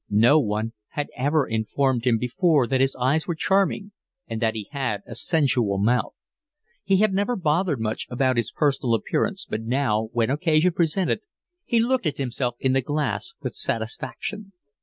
No one had ever informed him before that his eyes were charming and that he had a sensual mouth. He had never bothered much about his personal appearance, but now, when occasion presented, he looked at himself in the glass with satisfaction.